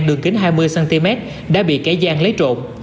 đường kính hai mươi cm đã bị kẻ gian lấy trộm